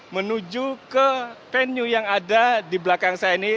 menuju ke venue yang ada di belakang saya ini